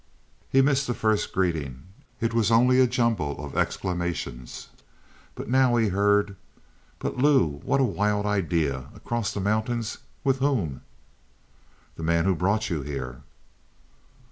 He missed the first greeting. It was only a jumble of exclamations, but now he heard: "But, Lou, what a wild idea. Across the mountains with whom?" "The man who brought you here."